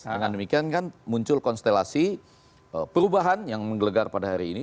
dengan demikian kan muncul konstelasi perubahan yang menggelegar pada hari ini